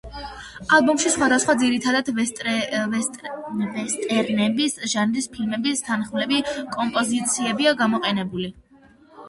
ალბომში სხვადასხვა, ძირითადად ვესტერნების ჟანრის ფილმების თანმხლები კომპოზიციებია გამოყენებული.